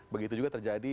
begitu juga terjadi